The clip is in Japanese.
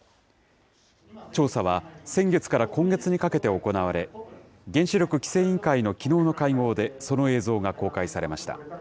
調査は先月から今月にかけて行われ、原子力規制委員会のきのうの会合で、その映像が公開されました。